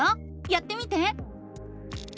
やってみて！